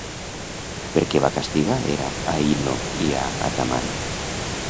Per què va castigar Hera a Ino i a Atamant?